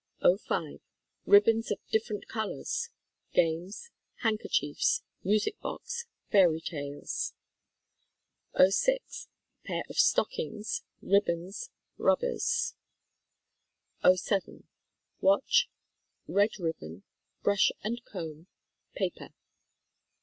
'05. Ribbons of different colors, games, hand kerchiefs, music box, Fairy Tales. '06. Pair of stockings, ribbons, rubbers. '07. Watch, red ribbon, brush and comb, paper.